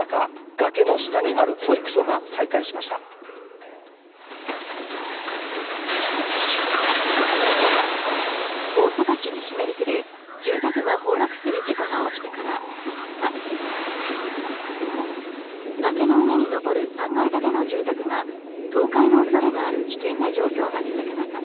崖の上に残る３階建ての住宅が倒壊の恐れがある危険な状況が続く中